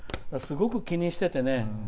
すごく気にしててね。